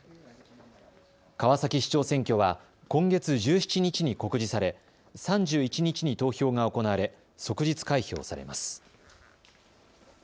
川崎市長選挙は今月１７日に告示され、３１日に投票が行われ即日開票されます。